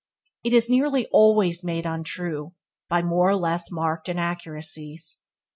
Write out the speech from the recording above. It is nearly always made untrue by more or less marked inaccuracies.